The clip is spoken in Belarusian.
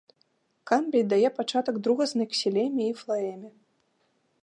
Камбій дае пачатак другаснай ксілеме і флаэме.